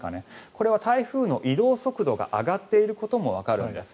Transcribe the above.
これは台風の移動速度が上がっていることもわかるんです。